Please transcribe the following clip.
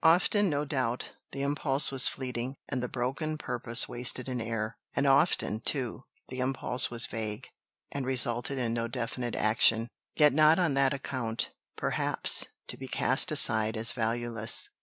Often, no doubt, the impulse was fleeting, and the broken purpose wasted in air. And often, too, the impulse was vague, and resulted in no definite action; yet not on that account, perhaps, to be cast aside as valueless.